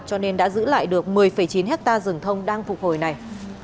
cho nên đã giữ lại được một mươi chín hectare rừng thông đang phục hồi này